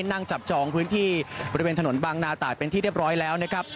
นั่งจับจองพื้นที่บริเวณถนนบางนาตายเป็นที่เรียบร้อยแล้วนะครับ